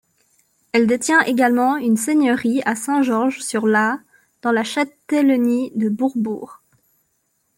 Elle détient également une seigneurie à Saint-Georges-sur-l'Aa, dans la châtellenie de Bourbourg.